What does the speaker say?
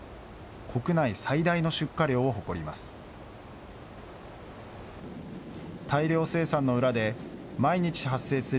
国内最大の出荷量を誇ります。